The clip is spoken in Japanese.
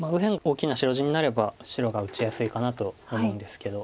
大きな白地になれば白が打ちやすいかなと思うんですけど。